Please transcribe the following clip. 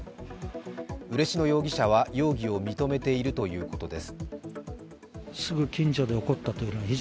嬉野容疑者は容疑を認めているということです。